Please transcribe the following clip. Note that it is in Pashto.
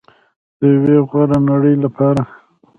د یوې غوره نړۍ لپاره.